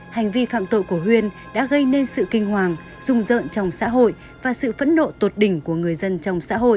hành vi phạm tội của huyên đã gây nên sự kinh hoàng dung rợn trong xã hội và sự phẫn nộ tột đỉnh của người dân trong xã hội